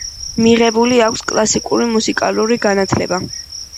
მიღებული აქვს კლასიკური მუსიკალური განათლება.